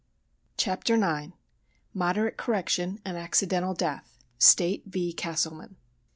CHAPTER IX. MODERATE CORRECTION AND ACCIDENTAL DEATH—STATE v. CASTLEMAN.